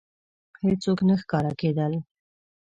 هېڅوک نه ښکاره کېدل.